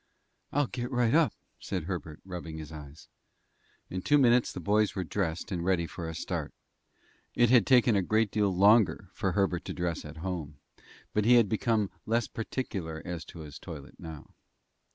"I'll get right up," said Herbert, rubbing his eyes. In two minutes the boys were dressed and ready for a start. It had taken a great deal longer for Herbert to dress at home, but he had become less particular as to his toilet now.